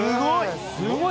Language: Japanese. すごい。